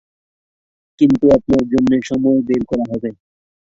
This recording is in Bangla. কিন্তু আপনার জন্যে সময় বের করা হবে।